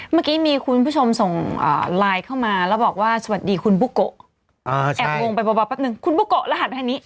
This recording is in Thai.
เมื่อกี้มีคุณผู้ชมส่งไลน์เข้ามาแล้วบอกว่าสวัสดีคุณบุโกะแอบงงไปเบาแป๊บนึงคุณบุโกะรหัสไปทางนี้